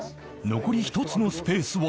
残り１つのスペースは